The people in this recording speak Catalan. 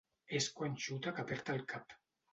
És quan xuta que perd el cap.